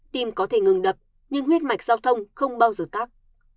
tim có thể ngừng đập nhưng huyết mạch giao thông không bao giờ khác